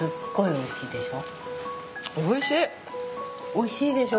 おいしいでしょ？